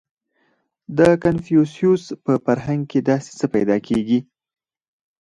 • د کنفوسیوس په فرهنګ کې داسې څه پیدا کېږي.